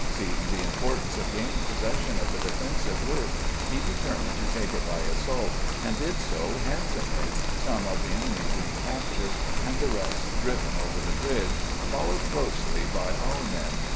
Seeing the importance of gaining possession of the defensive work, he determined to take it by assault, and did so handsomely, some of the enemy being captured, and the rest diiven over the bridge. 142 CAMPAIGNING WITH GEANT followed closely by our men.